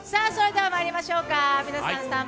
それではまいりましょうか。